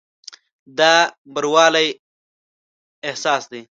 دا بروالي احساس دی.